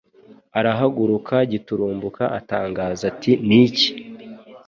Arahaguruka giturumbuka atangaza ati Niki